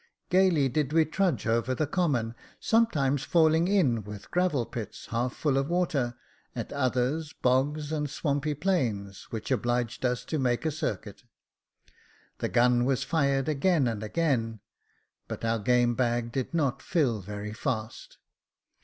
Gaily did we trudge over the common, sometimes falling in with gravel pits half full of water, at others bogs and swampy plains, which obliged us to make a circuit. The gun was fired again and again ; but our game bag did not fill very fast.